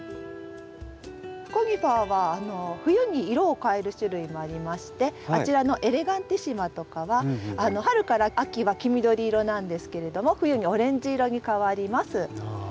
コニファーは冬に色を変える種類もありましてあちらの‘エレガンティシマ’とかは春から秋は黄緑色なんですけれども冬にオレンジ色に変わります。